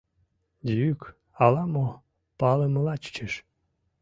Йӱк ала-мо палымыла чучеш.